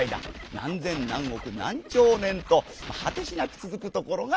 何千何億何兆年とはてしなくつづくところがおめでたい」。